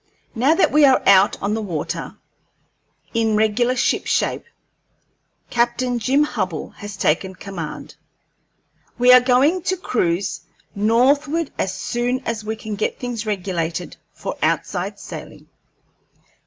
Now that we are out on the water, in regular shipshape, Captain Jim Hubbell has taken command. We are going to cruise northward as soon as we can get things regulated for outside sailing.